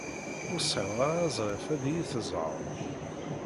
Ur tesɛid ara azref ad iyi-teẓẓɛed.